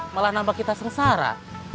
malah nambah kita sengsara